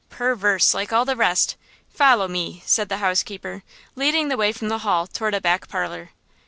"Perverse, like all the rest! Follow me!" said the housekeeper, leading the way from the hall toward a back parlor.